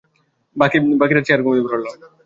বাকি রাত সে আর ঘুমোতে পারল না।